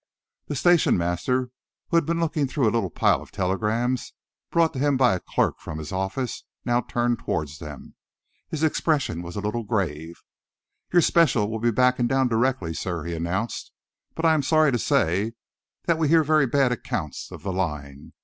The station master, who had been looking through a little pile of telegrams brought to him by a clerk from his office, now turned towards them. His expression was a little grave. "Your special will be backing down directly, sir," he announced, "but I am sorry to say that we hear very bad accounts of the line.